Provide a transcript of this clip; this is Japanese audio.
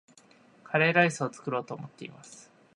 カレーライスを作ろうと思っています